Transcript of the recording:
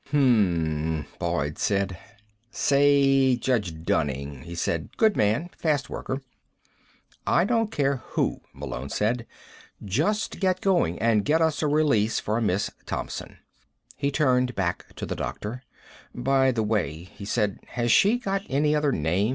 "Hm m m," Boyd said. "Say Judge Dunning," he said. "Good man. Fast worker." "I don't care who," Malone said. "Just get going, and get us a release for Miss Thompson." He turned back to the doctor. "By the way," he said, "has she got any other name?